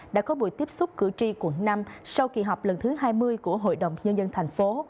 đã có buổi tiếp xúc cử tri quận năm sau kỳ họp lần thứ hai mươi của hội đồng nhân dân thành phố